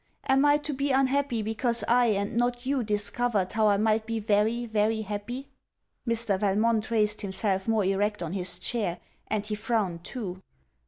Am I to be unhappy, because I and not you discovered how I might be very, very happy?' Mr. Valmont raised himself more erect on his chair; and he frowned too.